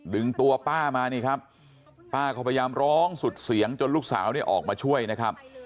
ดึงตัวป้ามานี่ครับป้าก็พยายามร้องสุดเสียงจนลูกสาวเนี่ยออกมาช่วยนะครับ